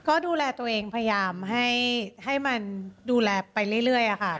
ก็ดูแลตัวเองพยายามให้มันดูแลไปเรื่อยค่ะ